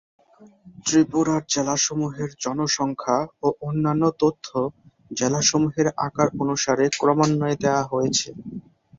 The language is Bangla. ত্রিপুরার জেলাসমূহের জনসংখ্যা ও অন্যান্য তথ্য জেলাসমূহের আকার অনুসারে ক্রমান্বয়ে দেয়া হয়েছে।